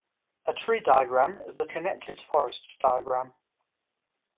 A tree diagram is a connected forest diagram.